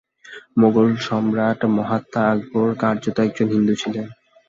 মোগল সম্রাট মহাত্মা আকবর কার্যত একজন হিন্দু ছিলেন।